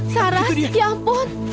saras ya ampun